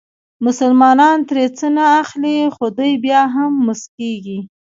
مسلمانان ترې څه نه اخلي خو دوی بیا هم موسکېږي.